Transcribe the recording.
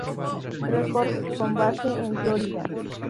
Records con base en Florida.